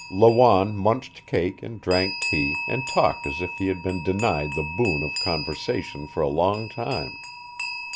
Lawanne munched cake and drank tea and talked as if he had been denied the boon of conversation for a long time.